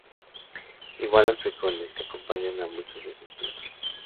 Igual los frijoles, que acompañan a muchos de sus platos.